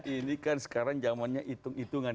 ini kan sekarang zamannya hitung hitungan